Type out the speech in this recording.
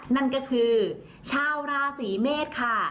นั่นก็คือชาวราศีเมษค่ะ